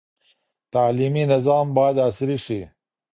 تعلیمي نظام باید عصري سي.